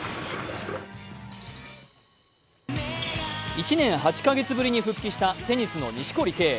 １年８か月ぶりに復帰したテニスの錦織圭。